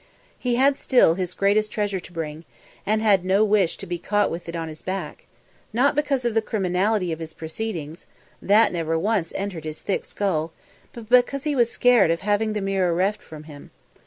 He had still his greatest treasure to bring, and had no wish to be caught with it on his back; not because of the criminality of his proceedings that never once entered his thick skull but because he was scared of having the mirror reft from him.